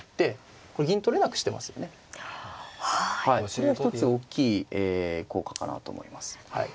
これは一つ大きい効果かなと思います。